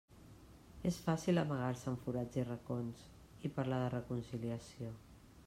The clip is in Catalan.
És fàcil amagar-se en forats i racons i parlar de reconciliació.